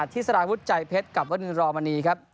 ที่สารวุฒิใจเพชรกับวนรอมณีครับ